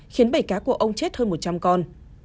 khiến bảy cá của ông chết hơn một trăm linh con